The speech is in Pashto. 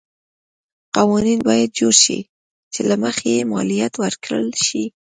قوانین باید جوړ شي چې له مخې یې مالیات ورکړل شي.